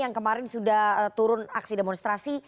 yang kemarin sudah turun aksi demonstrasi